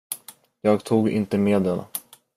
Jag tog inte med den.